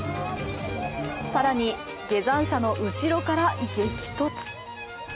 更に、下山者の後ろから激突。